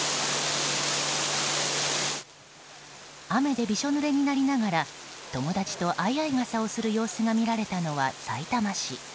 雨でびしょ濡れになりながら友達と相合傘をする様子が見られたのは、さいたま市。